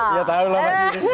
iya tau lah